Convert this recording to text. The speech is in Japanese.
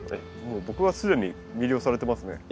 もう僕は既に魅了されてますね。